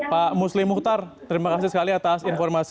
pak muslim mukhtar terima kasih sekali atas informasi